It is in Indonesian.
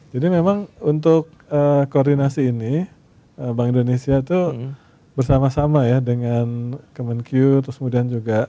jadi memang untuk koordinasi ini bank indonesia itu bersama sama ya dengan kemenq terus kemudian juga